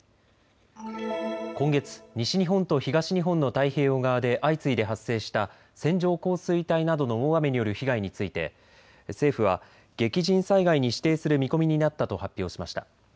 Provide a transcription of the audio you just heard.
今月西日本と東日本の太平洋側で相次いで発生した線状降水帯などの大雨による被害について政府は激甚災害に指定する見込みになったと発表しました。